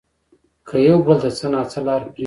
که يو بل ته څه نه څه لار پرېږدي